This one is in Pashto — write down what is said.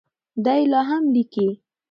دی لا هم لیکي.